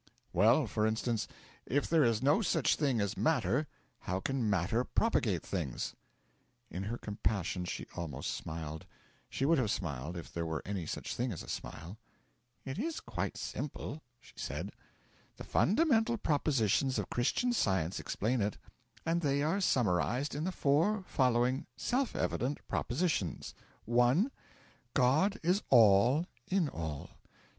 'Well, for instance: if there is no such thing as matter, how can matter propagate things?' In her compassion she almost smiled. She would have smiled if there were any such thing as a smile. 'It is quite simple,' she said; 'the fundamental propositions of Christian Science explain it, and they are summarised in the four following self evident propositions: 1. God is All in all. 2.